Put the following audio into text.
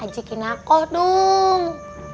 ajakin aku dong